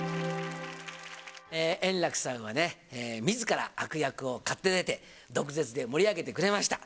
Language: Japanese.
円楽さんはね、みずから悪役を買って出て、毒舌で盛り上げてくれました。